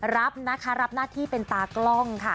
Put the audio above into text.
รับนะคะรับหน้าที่เป็นตากล้องค่ะ